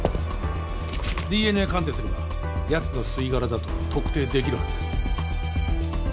ＤＮＡ鑑定すればヤツの吸い殻だと特定できるはずです